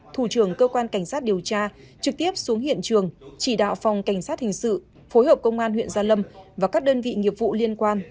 thủ trưởng cơ quan cảnh sát điều tra trực tiếp xuống hiện trường chỉ đạo phòng cảnh sát hình sự phối hợp công an huyện gia lâm và các đơn vị nghiệp vụ liên quan